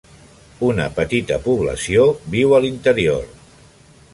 Una petita població viu a l'interior.